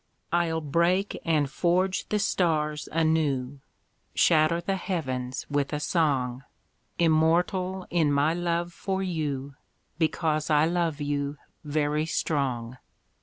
I'll break and forge the stars anew, Shatter the heavens with a song; Immortal in my love for you, Because I love you, very strong.